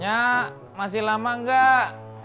ya masih lama nggak